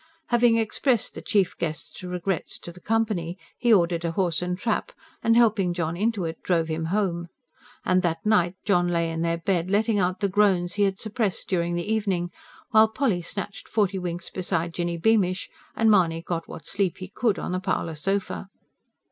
Having expressed the chief guest's regrets to the company, he ordered a horse and trap, and helping John into it drove him home. And that night John lay in their bed, letting out the groans he had suppressed during the evening; while Polly snatched forty winks beside Jinny Beamish, and Mahony got what sleep he could on the parlour sofa.